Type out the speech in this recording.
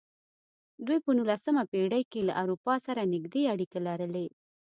دوی په نولسمه پېړۍ کې له اروپا سره نږدې اړیکې لرلې.